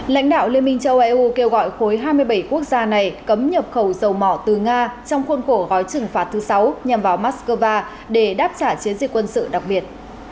lãnh đạo liên minh châu âu kêu gọi khối hai mươi bảy quốc gia này cấm nhập khẩu dầu mỏ từ nga trong khuôn khổ gói trừng phạt thứ sáu nhằm vào moscow để đáp trả chiến dịch quân sự đặc biệt